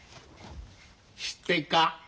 知ってっか？